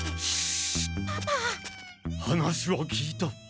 話は聞いた。